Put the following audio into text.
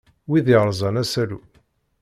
Wid yerẓan asalu.